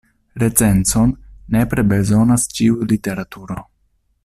Recenzon nepre bezonas ĉiu literaturo.